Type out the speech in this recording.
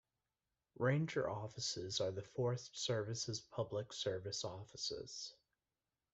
Ranger offices are the Forest Service's public service offices.